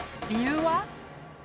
理由は？